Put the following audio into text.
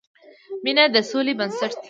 مینه د سولې بنسټ ده.